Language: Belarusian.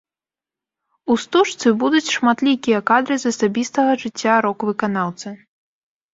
У стужцы будуць шматлікія кадры з асабістага жыцця рок-выканаўца.